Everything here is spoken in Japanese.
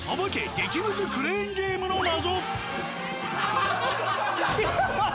激ムズクレーンゲームの謎。